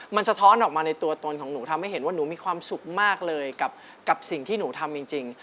มันสะท้อนออกมาในตัวตนของหนูทำให้เห็นว่าหนูมีความสุขมากเลยกับสิ่งที่หนูทำจริง